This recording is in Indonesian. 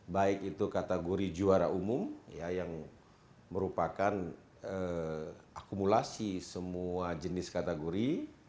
baik itu kategori juara umum yang merupakan akumulasi semua jenis kategori